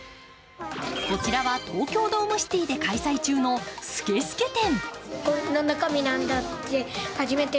こちらは東京ドームシティで開催中のスケスケ展。